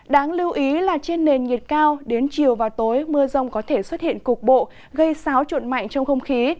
đáng lưu ý là trên nền nhiệt cao đến chiều vào tối mưa rông có thể xuất hiện cục bộ gây sáo chuộn mạnh trong không khí